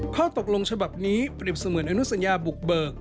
ข้อตกลงฉบับนี้เปรียบเสมือนอนุสัญญาบุกเบิก